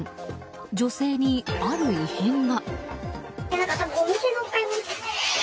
女性にある異変が。